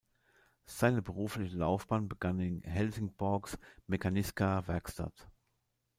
Seine berufliche Laufbahn begann in "Helsingborgs Mekaniska Verkstad".